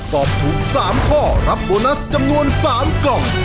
ตอบถูก๓ข้อรับโบนัสจำนวน๓กล่อง